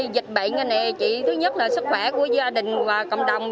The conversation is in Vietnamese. dịch bệnh này chỉ thứ nhất là sức khỏe của gia đình và cộng đồng